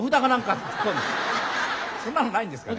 そんなのないんですかね？